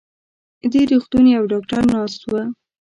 دې روغتون يو ډاکټر ناست و.